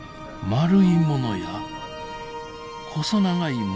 丸いものや細長いものなど。